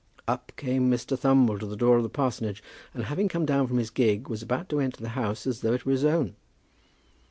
Up came Mr. Thumble to the door of the parsonage, and having come down from his gig was about to enter the house as though it were his own.